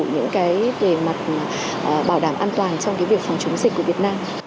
những cái bề mặt bảo đảm an toàn trong cái việc phòng chống dịch của việt nam